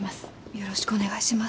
よろしくお願いします。